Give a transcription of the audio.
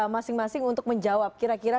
masing masing untuk menjawab kira kira